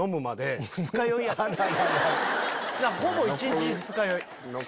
ほぼ一日中二日酔い。